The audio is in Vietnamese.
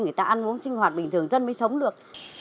người ta ăn uống sinh hoạt bình thường dân mới sống được